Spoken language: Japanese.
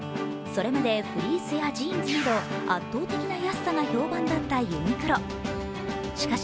それまでフリースやジーンズなど圧倒的な安さが評判だったユニクロ。